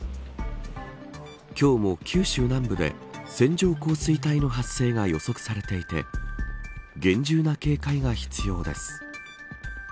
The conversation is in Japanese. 今日も九州南部で線状降水帯の発生が予測されていて厳重な警戒が必要です。